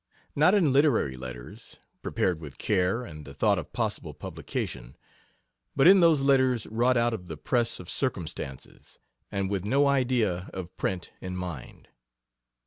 Not in literary letters prepared with care, and the thought of possible publication but in those letters wrought out of the press of circumstances, and with no idea of print in mind.